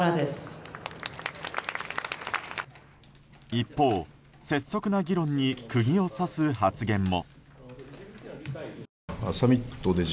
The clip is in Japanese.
一方、拙速な議論に釘を刺す発言も。